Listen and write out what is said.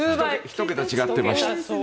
１桁違っていました。